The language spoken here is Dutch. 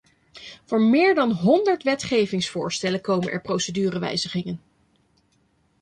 Voor meer dan honderd wetgevingsvoorstellen komen er procedurewijzigingen.